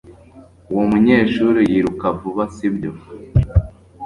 Uwo munyeshuri yiruka vuba, sibyo?